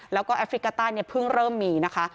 แล้วก็แอฟริกาใต้เนี่ยเพิ่งเริ่มมีนะคะ